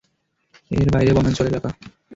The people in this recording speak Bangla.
এর বাইরে বনাঞ্চল এলাকা।